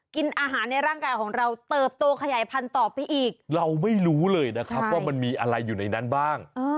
กินอาหารในร่างกายของเราเติบโตขยายพันธุ์ต่อไปอีกเราไม่รู้เลยนะครับว่ามันมีอะไรอยู่ในนั้นบ้าง